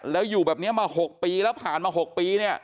แล้วอยู่แบบนี้มา๖ปีแล้วผ่านมา๖ปีเนี่ย